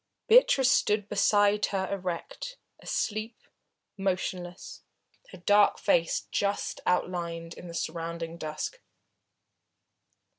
Beatrice stood beside her erect, asleep, motionless, her dark face just outlined in the surrounding dusk.